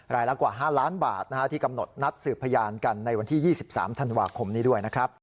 รายละกว่า๕ล้านบาทที่กำหนดนัดสืบพยานกันในวันที่๒๓ธันวาคมนี้ด้วยนะครับ